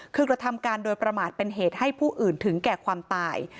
คือกระทำการโดยประมาทเป็นเหตุให้ผู้อื่นถึงแก่ความตาย